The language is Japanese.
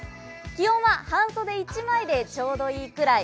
気温は半袖１枚でちょうどいいくらい。